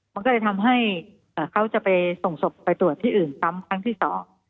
มันก็เลยทำให้เขาจะไปส่งศพไปตรวจที่อื่นซ้ำครั้งที่สอง